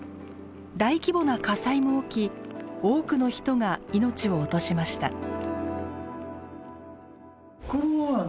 大規模な火災も起き多くの人が命を落としました。